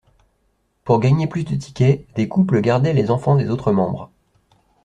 Pour gagner plus de tickets, des couples gardait les enfants des autres membres.